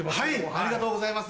ありがとうございます。